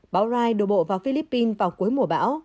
bão rai đổ bộ vào philippines vào cuối mùa bão